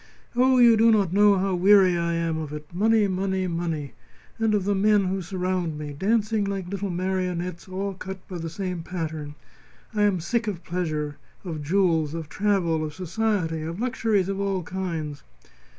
Oh! you do not know how weary I am of it money, money, money! And of the men who surround me, dancing like little marionettes all cut by the same pattern. I am sick of pleasure, of jewels, of travel, of society, of luxuries of all kinds."